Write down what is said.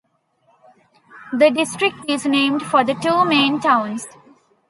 The district is named for the two main towns.